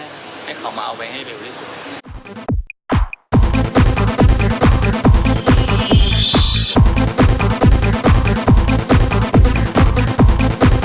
ไม่ให้เค้ามาเอาไว้ให้บ่อยลาดิสุด